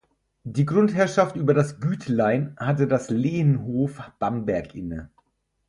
Die Grundherrschaft über das Gütlein hatte das Lehenhof Bamberg inne.